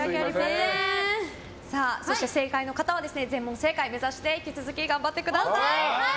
そして、正解の方は全問正解を目指して引き続き頑張ってください。